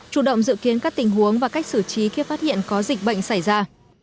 chủ động dự kiến các tình huống và cách xử trí khi phát hiện có dịch bệnh xảy ra